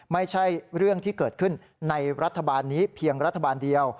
ไม่ใช่เรื่องที่เกิดขึ้นในรัฐบาลนี้เพียงรัฐบาลเดียว